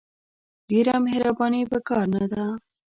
ډېره مهرباني په کار نه ده !